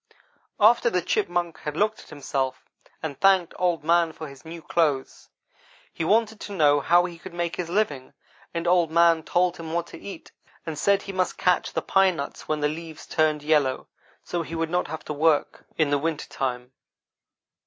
"After the Chipmunk had looked at himself, and thanked Old man for his new clothes, he wanted to know how he could make his living, and Old man told him what to eat, and said he must cache the pine nuts when the leaves turned yellow, so he would not have to work in the winter time.